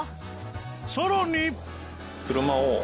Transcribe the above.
さらに！